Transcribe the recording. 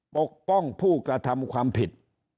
ปกป้องผู้กระทำความผิด